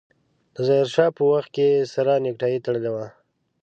د ظاهر شاه په وخت کې يې سره نيکټايي تړلې وه.